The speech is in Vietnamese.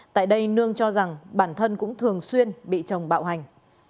tại đây nương cho rằng bản thân cũng thường xuyên bị chồng bạo hành